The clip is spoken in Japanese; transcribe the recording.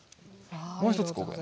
もう一つここに。